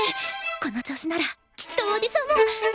この調子ならきっとオーディションも。